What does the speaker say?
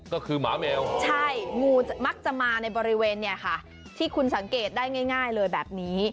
ก็คือหมาแมวใช่งูมักจะมาในบริเวณเนี่ยค่ะที่คุณสังเกตได้ง่ายเลยแบบนี้